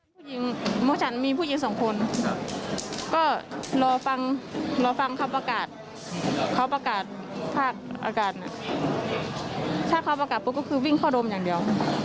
ผู้หญิงเพราะฉันมีผู้หญิงสองคนก็รอฟังรอฟังเขาประกาศเขาประกาศภาคอากาศถ้าเขาประกาศปุ๊บก็คือวิ่งเข้าดมอย่างเดียว